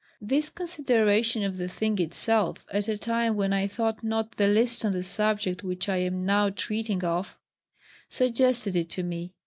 This consideration of the thing itself, at a time when I thought not the least on the subject which I am now treating of, suggested it to me.